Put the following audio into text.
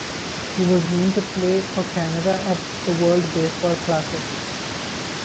He was named to play for Canada at the World Baseball Classic.